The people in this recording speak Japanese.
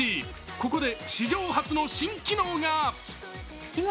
ここで史上初の新機能が。